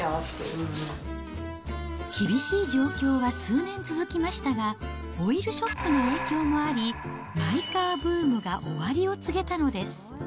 厳しい状況は数年続きましたが、オイルショックの影響もあり、マイカーブームが終わりを告げたのです。